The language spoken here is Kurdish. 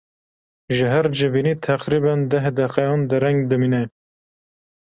Ji her civînê teqrîben deh deqeyan dereng dimîne.